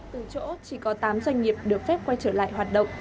từ chỗ chỉ có tám doanh nghiệp được phép quay trở lại hoạt động